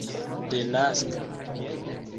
denaska